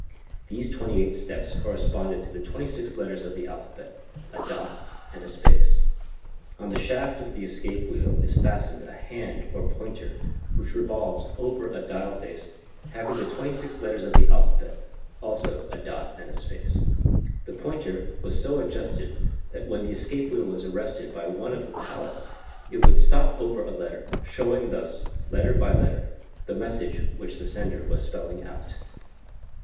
These twenty eight steps correspond to the twenty six letters of the alphabet, a dot and a space. On the shaft of the escape wheel is fastened a hand or pointer, which revolves over a dial face having the twenty six letters of the alphabet, also a dot and space. The pointer was so adjusted that when the escape wheel was arrested by one of the pallets it would stop over a letter, showing thus, letter by letter, the message which the sender was spelling out.